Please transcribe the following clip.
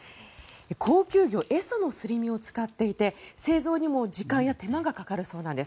高級魚エソのすり身を使っていて製造にも時間や手間がかかるそうなんです。